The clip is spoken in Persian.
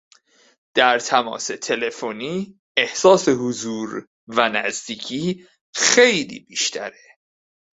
در تماس تلفنی احساس حضور و نزدیکی خیلی بیشتره